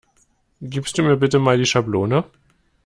Gibst du mir bitte mal die Schablone?